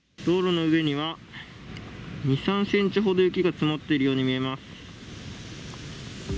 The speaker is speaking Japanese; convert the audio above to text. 道路の上には、２、３センチほど雪が積もっているように見えます。